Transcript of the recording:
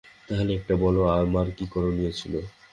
তাহলে এখন বল আমার কী করণীয় ছিল?